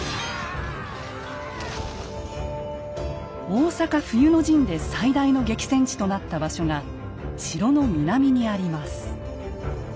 大坂冬の陣で最大の激戦地となった場所が城の南にあります。